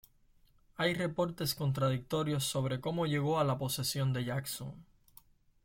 Hay reportes contradictorios sobre cómo llegó a la posesión de Jackson.